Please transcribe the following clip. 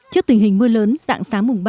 trước tình hình mưa lớn dạng sáng mùng ba